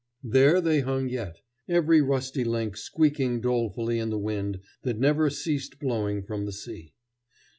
There they hung yet, every rusty link squeaking dolefully in the wind that never ceased blowing from the sea.